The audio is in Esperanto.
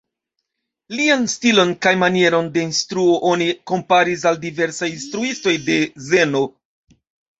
Lian stilon kaj manieron de instruo oni komparis al diversaj instruistoj de zeno.